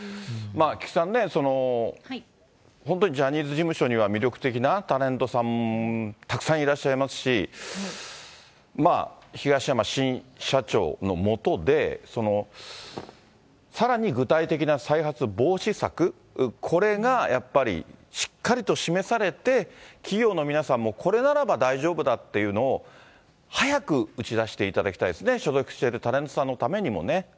菊池さんね、本当にジャニーズ事務所には魅力的なタレントさん、たくさんいらっしゃいますし、東山新社長の下で、さらに具体的な再発防止策、これがやっぱりしっかりと示されて、企業の皆さんもこれならば大丈夫だっていうのを、早く打ち出していただきたいですね、所属しているタレントさんのためにもね。